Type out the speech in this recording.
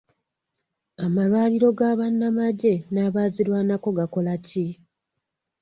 Amalwaliro ga bannamagye n'abaazirwanako gakola ki?